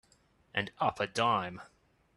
And up a dime.